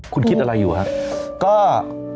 คุณคิดอะไรอยู่ครับ